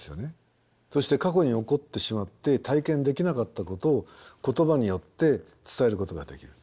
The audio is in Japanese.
そして過去に起こってしまって体験できなかったことを言葉によって伝えることができる。